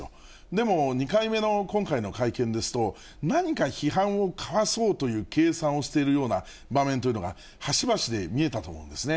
でも、２回目の今回の会見ですと、何か批判をかわそうという計算をしているような場面というのが、端々で見えたと思うんですね。